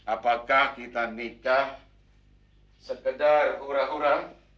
apakah kita nikah sekedar hura hura